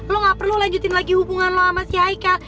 lo gak perlu lanjutin lagi hubungan lo sama si aikha